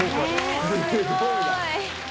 すごいな。